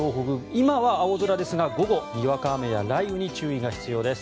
今は青空ですが午後、にわか雨や雷雨に注意が必要です。